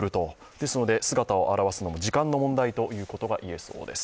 ですので、姿を現すのも時間の問題ということが言えそうです。